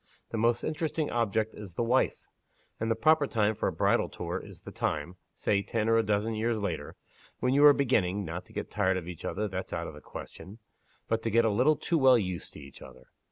The most interesting object is the wife. And the proper time for a bridal tour is the time say ten or a dozen years later when you are beginning (not to get tired of each other, that's out of the question) but to get a little too well used to each other.